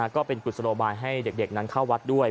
กุศโลบายให้เด็กนั้นเข้าวัดด้วย